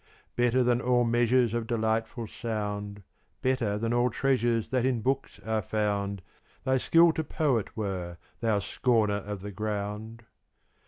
Better than all measures Of delightful sound, Better than all treasures That in books are found, Thy skill to poet were, thou scorner of the ground!